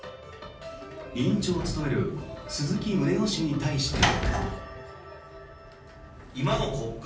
委員長を務める鈴木宗男氏に対しても。